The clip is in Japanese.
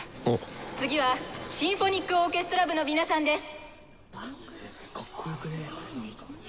次はシンフォニックオーケストラ部の皆さんです！